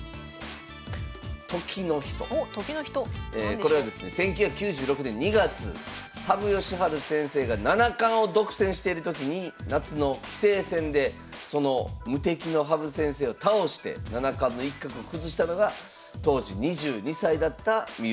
これはですね１９９６年２月羽生善治先生が七冠を独占してる時に夏の棋聖戦でその無敵の羽生先生を倒して七冠の一角を崩したのが当時２２歳だった三浦先生でございます。